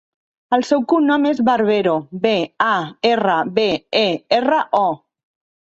El seu cognom és Barbero: be, a, erra, be, e, erra, o.